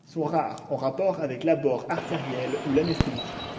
Ils sont rares, en rapport avec l'abord artériel ou l'anesthésie.